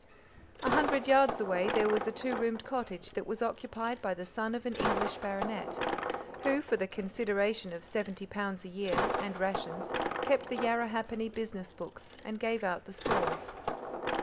A hundred yards away there was a two roomed cottage that was occupied by the son of an English baronet, who, for the consideration of seventy pounds a year and rations kept the Yarrahappini business books and gave out the stores.